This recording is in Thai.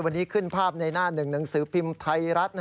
วันนี้ขึ้นภาพในหน้าหนึ่งหนังสือพิมพ์ไทยรัฐ